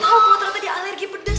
gue ga tau gue ternyata dia alergi pedes